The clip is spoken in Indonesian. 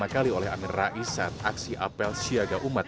pertama kali oleh amin rais saat aksi apel siaga umat